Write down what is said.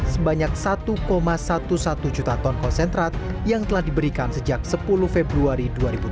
sebanyak satu sebelas juta ton konsentrat yang telah diberikan sejak sepuluh februari dua ribu tujuh belas